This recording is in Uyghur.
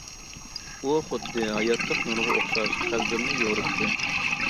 ئۇ خۇددى ھاياتلىق نۇرىغا ئوخشاش قەلبىمنى يورۇتتى.